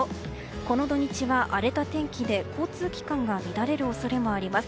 この土日は荒れた天気で交通機関が乱れる恐れもあります。